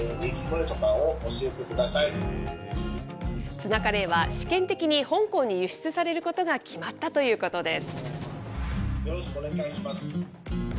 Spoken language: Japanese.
ツナカレーは、試験的に香港に輸出されることが決まったということです。